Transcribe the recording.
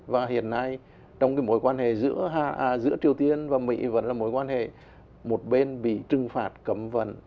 và hiện nay trong mối quan hệ giữa triều tiên và mỹ vẫn là mối quan hệ một bên bị trừng phạt cấm vận